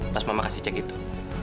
pas mau kasih cek itu